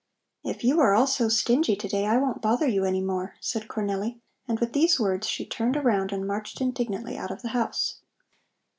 "If you are all so stingy to day, I won't bother you any more," said Cornelli, and with these words she turned around and marched indignantly out of the house.